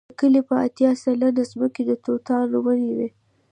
د کلي پر اتیا سلنې ځمکې د توتانو ونې وې.